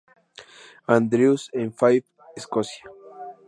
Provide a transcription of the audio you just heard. Andrews en Fife, Escocia.